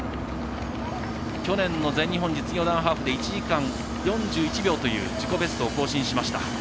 去年の全日本実業団ハーフで１時間４１秒という自己ベストを更新しました。